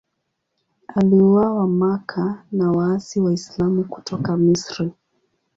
Aliuawa Makka na waasi Waislamu kutoka Misri.